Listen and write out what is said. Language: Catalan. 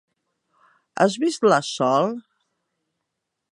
Has vist la Sol?